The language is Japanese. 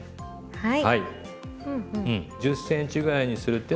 はい。